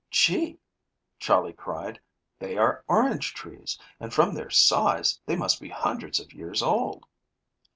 "Gee!" Charley cried, "they are orange trees, and, from their size, they must be hundreds of years old."